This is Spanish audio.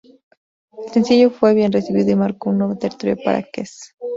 El sencillo fue bien recibido y marcó un nuevo territorio para Kes.